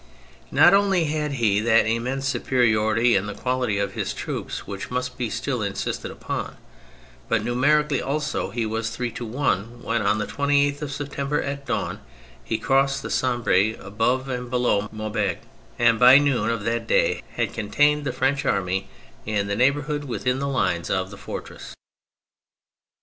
Not only had he that immense superiority in the quality of his troops which must be still insisted upon, but numerically also he was three to one when, on the 28th of September, at dawn, he crossed the Sambre above and below Maubeuge, and by noon of that day had contained the French army in that neighbourhood within the lines of the fortress.